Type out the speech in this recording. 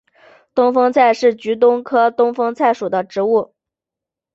东风菜是菊科东风菜属的植物。